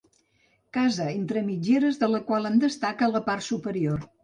Casa entre mitgeres de la qual en destaca la part superior.